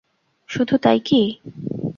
শুধু তাই কি?